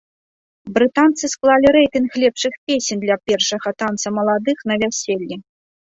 Брытанцы склалі рэйтынг лепшых песень для першага танца маладых на вяселлі.